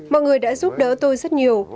mọi người đã giúp đỡ tôi rất nhiều